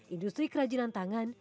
industri kerajinan tangan